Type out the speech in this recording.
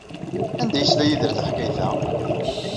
Anda ay yesla Yidri taḥkayt-a?